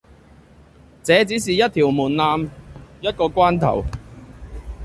這只是一條門檻，一個關頭。